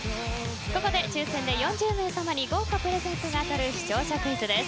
ここで抽選で４０名さまに豪華プレゼントが当たる視聴者クイズです。